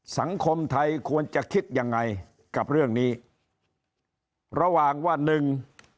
สังคมไทยควรจะคิดยังไงกับเรื่องนี้ระหว่างว่าหนึ่ง